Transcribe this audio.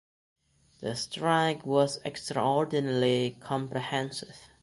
The strike was extraordinarily comprehensive.